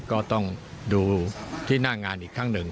ก็ต้องดูที่หน้างานอีกครั้งหนึ่ง